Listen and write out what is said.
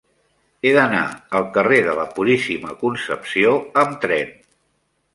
He d'anar al carrer de la Puríssima Concepció amb tren.